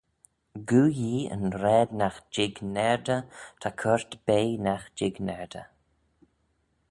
Goo Yee yn raad nagh jig naardey ta coyrt bea nagh jig naardey.